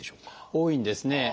多いんですね。